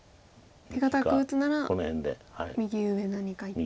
手堅く打つなら右上何か一手。